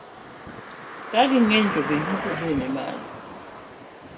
Ka ging'eny to yuto be nimalo,